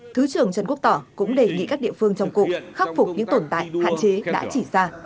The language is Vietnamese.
thứ trưởng trần quốc tỏ cũng đề nghị các địa phương trong cụm khắc phục những tồn tại hạn chế đã chỉ ra